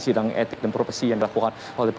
sidang etik dan profesi yang dilakukan oleh